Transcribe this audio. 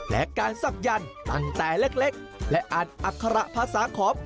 และการศักยันต์ตั้งแต่เล็กและอ่านอัคระภาษาขอบ